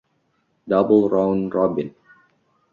Double Round Robin.